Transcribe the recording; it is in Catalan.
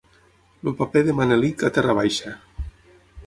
El paper de Manelic a "Terra Baixa".